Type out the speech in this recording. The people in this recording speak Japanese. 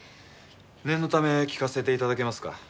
念のため聞かせて頂けますか？